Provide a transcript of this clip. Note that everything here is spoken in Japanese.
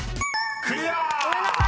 ［クリア！］